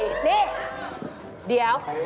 นี่เดี๋ยว